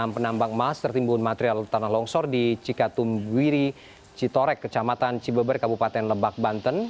enam penambang emas tertimbun material tanah longsor di cikatumbiri citorek kecamatan cibeber kabupaten lebak banten